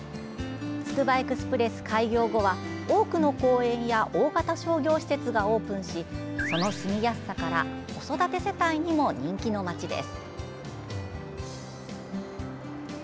つくばエクスプレス開業後は多くの公園や大型商業施設がオープンしその住みやすさから子育て世帯にも人気の街です。